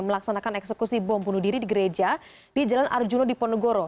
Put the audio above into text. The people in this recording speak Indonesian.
melaksanakan eksekusi bom bunuh diri di gereja di jalan arjuno di ponegoro